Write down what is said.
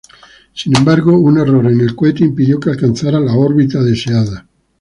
Sin embargo, un error en el cohete impidió que alcanzara su órbita deseada.